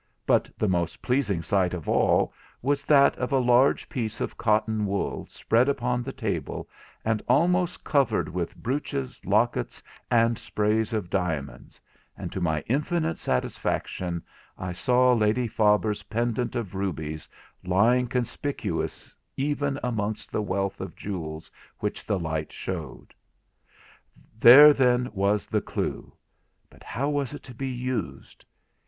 But the most pleasing sight of all was that of a large piece of cotton wool spread upon the table and almost covered with brooches, lockets, and sprays of diamonds; and to my infinite satisfaction I saw Lady Faber's pendant of rubies lying conspicuous even amongst the wealth of jewels which the light showed. There then was the clue; but how was it to be used?